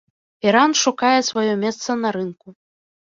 Іран шукае сваё месца на рынку.